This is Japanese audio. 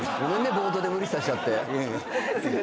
冒頭で無理させちゃって。